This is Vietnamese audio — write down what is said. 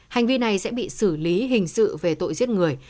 hành vi này sẽ bị xử lý hình sự về tội giết người